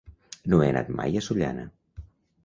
No he anat mai a Sollana.